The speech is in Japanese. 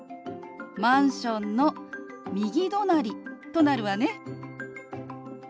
「マンションの右隣」となるわね。